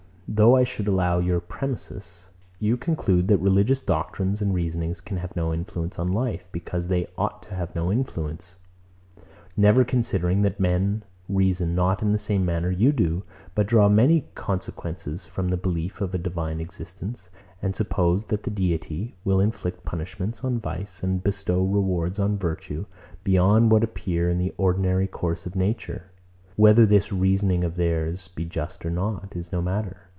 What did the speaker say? Though I should allow your premises, I must deny your conclusion. You conclude, that religious doctrines and reasonings can have no influence on life, because they ought to have no influence; never considering, that men reason not in the same manner you do, but draw many consequences from the belief of a divine Existence, and suppose that the Deity will inflict punishments on vice, and bestow rewards on virtue, beyond what appear in the ordinary course of nature. Whether this reasoning of theirs be just or not, is no matter.